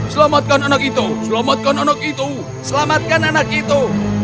selamatkan anak itu selamatkan anak itu selamatkan anak itu